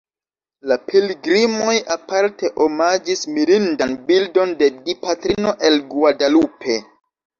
La pilgrimoj aparte omaĝis mirindan bildon de Dipatrino el Guadalupe.